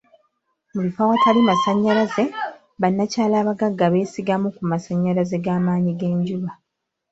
Mu bifo awatali masannyalaze, bannakyalo abagagga beesigamu ku masannyalaze ga maanyi ga njuba.